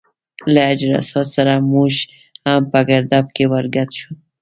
له حجر اسود سره موږ هم په ګرداب کې ور ګډ شو.